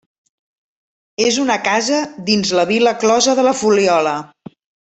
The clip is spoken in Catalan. És una casa dins la Vila closa de la Fuliola.